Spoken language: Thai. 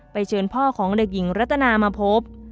เชิญพ่อของเด็กหญิงรัตนามาพบ